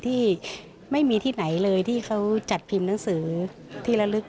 ที่ไม่มีที่ไหนเลยที่เขาจัดพิมพ์หนังสือที่ระลึก